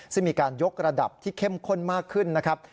ซึ่งมีการยกระดับที่เข้มข้นมากขึ้นนะครับ